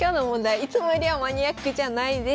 いつもよりはマニアックじゃないです。